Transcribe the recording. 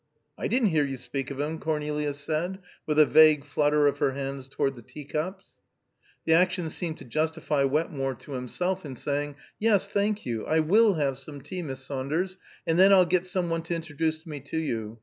"I didn't hear you speak of him," Cornelia said, with a vague flutter of her hands toward the teacups. The action seemed to justify Wetmore to himself in saying, "Yes, thank you, I will have some tea, Miss Saunders, and then I'll get some one to introduce me to you.